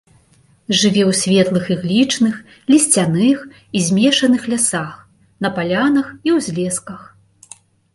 Жыве ў светлых іглічных, лісцяных і змешаных лясах на палянах і ўзлесках.